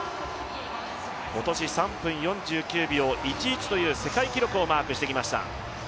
今年３分４９秒１１という世界記録をマークしてきました。